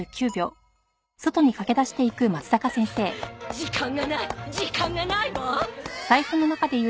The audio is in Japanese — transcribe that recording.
時間がない時間がないわ！わい！